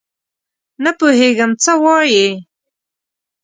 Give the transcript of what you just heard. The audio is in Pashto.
نه پوهېږم څه وایې ؟؟